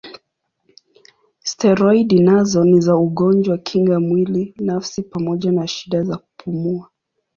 Steroidi nazo ni za ugonjwa kinga mwili nafsi pamoja na shida za kupumua.